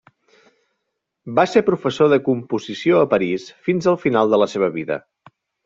Va ser professor de composició a París fins al final de la seva vida.